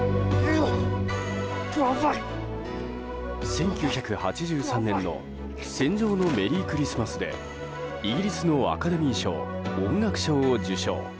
１９８３年の「戦場のメリークリスマス」でイギリスのアカデミー賞音楽賞を受賞。